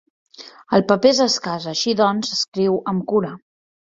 El paper és escàs, així doncs escriu amb cura.